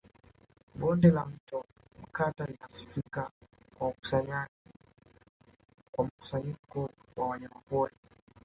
Bonde la Mto Mkata linasifika kwa mkusanyiko wa wanyamapori